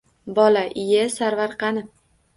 Bola: iye Sarvar kani?